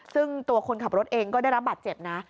ซึ่งตัวคนขับรถเองก็ได้รับบาดเจ็บนะ